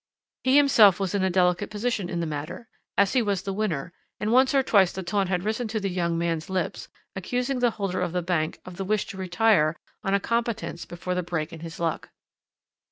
He himself was in a delicate position in the matter, as he was the winner, and once or twice the taunt had risen to the young man's lips, accusing the holder of the bank of the wish to retire on a competence before the break in his luck.